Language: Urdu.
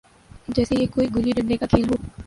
جیسے یہ کوئی گلی ڈنڈے کا کھیل ہو۔